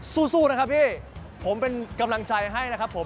สู้นะครับพี่ผมเป็นกำลังใจให้นะครับผม